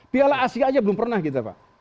piala asia aja belum pernah kita pak